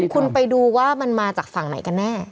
คุณไปดูว่ามันมาจากฝั่งไหนกันแน่